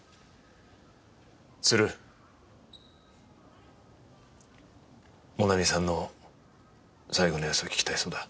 鶴。もなみさんの最期の様子が聞きたいそうだ。